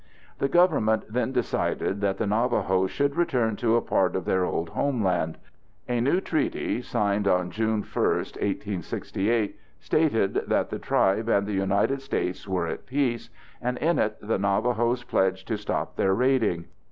The Government then decided that the Navajos should return to a part of their old homeland. A new treaty signed on June 1, 1868, stated that the tribe and the United States were at peace, and in it the Navajos pledged to stop their raiding.